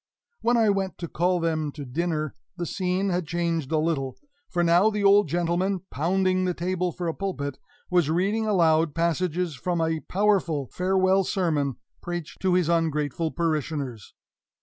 When I went to call them to dinner, the scene had changed a little, for now the old gentleman, pounding the table for a pulpit, was reading aloud passages from a powerful farewell sermon preached to his ungrateful parishioners.